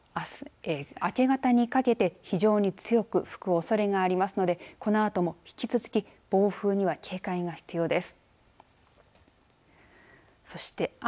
あす明け方にかけて非常に強く吹くおそれがありますのでこのあとも、引き続き暴風には警戒が必要です。